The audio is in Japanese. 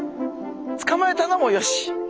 つかまえたのもよし。